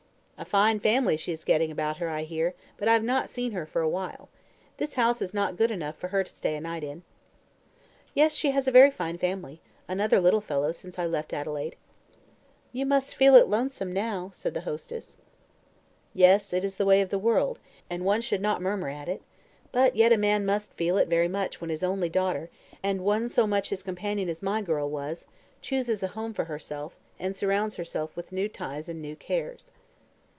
"A fine family she is getting about her, I hear; but I have not seen her for awhile. This house is not good enough for her to stay a night in." "Yes, she has a very fine family another little fellow since I left Adelaide." "You must feel it lonesome now," said the hostess. "Yes: it is the way of the world, and one should not murmur at it; but yet a man must feel it very much when his only daughter, and one so much his companion as my girl was, chooses a home for herself, and surrounds herself with new ties and new cares."